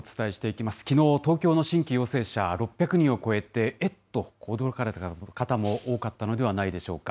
きのう、東京の新規陽性者、６００人を超えて、え？と驚かれた方も多かったのではないでしょうか。